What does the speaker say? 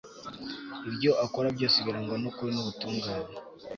ibyo akora byose birangwa n'ukuri n'ubutungane